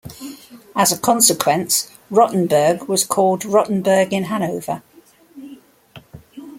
As a consequence, Rotenburg was called "Rotenburg in Hannover".